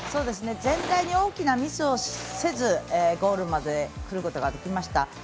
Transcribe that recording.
全体に大きなミスをせずゴールまでくることができました。